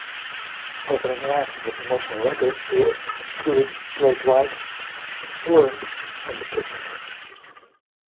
Opening acts on the promotional record tour included Great White, Warrant and Kix.